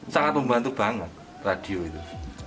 sangat membantu banget radio itu